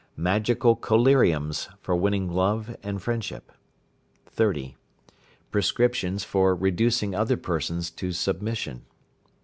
Magical collyriums for winning love and friendship. 30. Prescriptions for reducing other persons to submission.